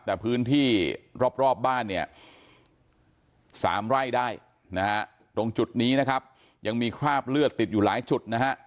แต่พื้นที่รอบบ้าน๓ไร่ได้ตรงจุดนี้ยังมีคราบเลือดติดอยู่หลายจุด